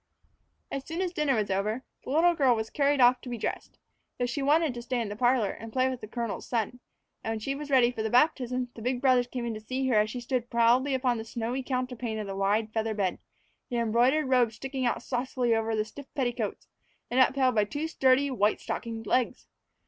As soon as dinner was over, the little girl was carried off to be dressed, though she wanted to stay in the parlor and play with the colonel's son; and when she was ready for the baptism, the big brothers came in to see her as she stood proudly upon the snowy counterpane of the wide feather bed, the embroidered robe sticking out saucily over her stiff petticoats and upheld by two sturdy, white stockinged legs.